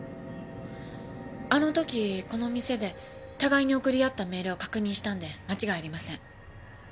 あの時この店で互いに送りあったメールを確認したんで間違いありません。